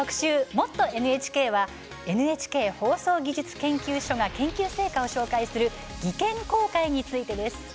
「もっとＮＨＫ」はＮＨＫ放送技術研究所が研究成果を紹介する「技研公開」についてです。